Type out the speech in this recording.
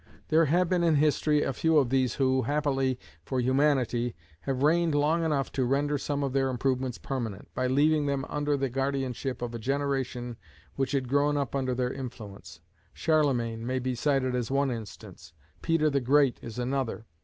There have been in history a few of these who, happily for humanity, have reigned long enough to render some of their improvements permanent, by leaving them under the guardianship of a generation which had grown up under their influence. Charlemagne may be cited as one instance; Peter the Great is another.